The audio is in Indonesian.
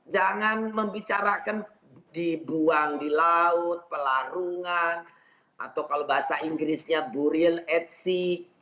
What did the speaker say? jangan membicarakan dibuang di laut pelarungan atau kalau bahasa inggrisnya buril at sea